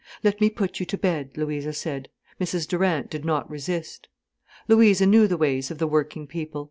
"Let me put you to bed," Louisa said. Mrs Durant did not resist. Louisa knew the ways of the working people.